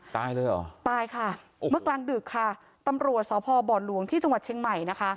ตายเลยเหรอตายค่ะเมื่อกลางดึกค่ะตำรวจสพบหลวงที่จังหวัดเชียงใหม่นะคะ